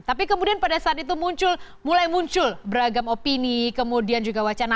tapi kemudian pada saat itu mulai muncul beragam opini kemudian juga wacana